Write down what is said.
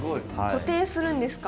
固定するんですか？